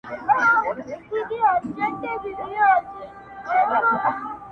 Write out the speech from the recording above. o بلا بيده ښه وي، نه ويښه٫